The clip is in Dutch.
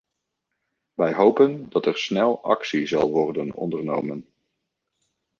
Wij hopen dat er snel actie zal worden ondernomen.